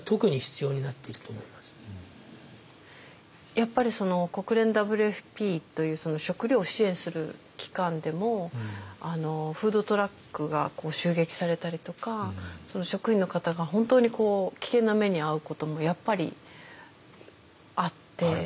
やっぱり国連ＷＦＰという食糧を支援する機関でもフードトラックが襲撃されたりとか職員の方が本当に危険な目に遭うこともやっぱりあって。